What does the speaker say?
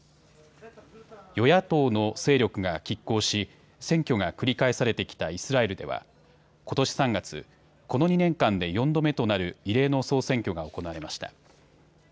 与野党の勢力がきっ抗し選挙が繰り返されてきたイスラエルではことし３月、この２年間で４度目となる異例の総選挙が行われました。